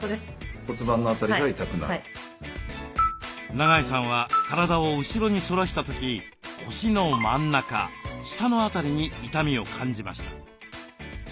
長井さんは体を後ろに反らした時腰の真ん中下の辺りに痛みを感じました。